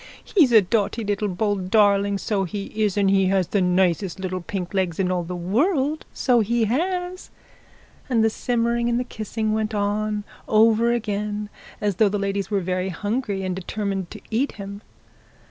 'He's a dawty little bold darling, so he is; and he has the nicest little pink legs in all the world, so he has;' and the simmering and the kissing went on over again, and as though the ladies were very hungry, and determined to eat him.